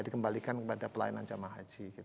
dikembalikan kepada pelayanan jamaah haji